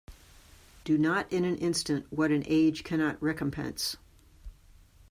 Do not in an instant what an age cannot recompense.